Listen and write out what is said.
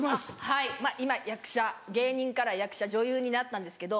はい今役者芸人から役者女優になったんですけど。